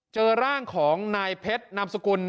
เจอร่างของนายเพชรนามสกุล